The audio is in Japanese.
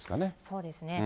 そうですね。